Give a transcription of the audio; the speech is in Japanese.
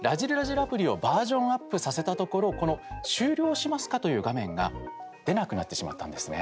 アプリをバージョンアップさせたところこの「終了しますか？」という画面が出なくなってしまったんですね。